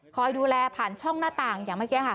คอยดูแลผ่านช่องหน้าต่างอย่างเมื่อกี้ค่ะ